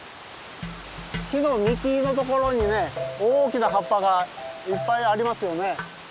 木の幹のところにね大きな葉っぱがいっぱいありますよね？